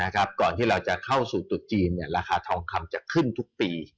ก่อนที่เราจะเข้าสู่จุดจีนราคาทองคำจะขึ้นทุกปี